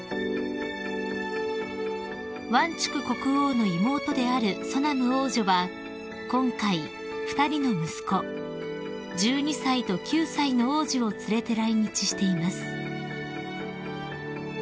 ［ワンチュク国王の妹であるソナム王女は今回２人の息子１２歳と９歳の王子を連れて来日しています］